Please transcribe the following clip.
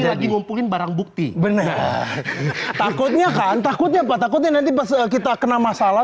lagi ngumpulin barang bukti benar takutnya kan takutnya apa takutnya nanti pas kita kena masalah